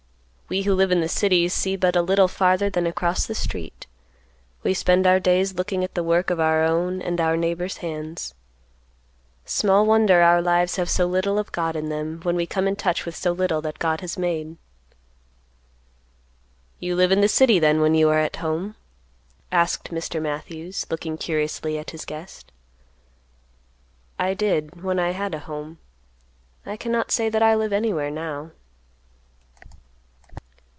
We, who live in the cities, see but a little farther than across the street. We spend our days looking at the work of our own and our neighbors' hands. Small wonder our lives have so little of God in them, when we come in touch with so little that God has made." "You live in the city, then, when you are at home?" asked Mr. Matthews, looking curiously at his guest. "I did, when I had a home; I cannot say that I live anywhere now."